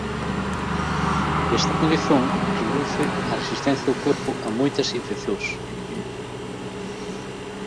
Esta condición reduce a resistencia do corpo a moitas infeccións.